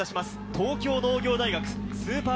東京農業大学スーパー